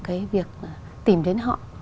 cái việc tìm đến họ